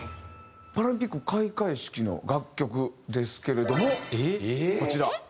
パラリンピック開会式の楽曲ですけれどもこちら。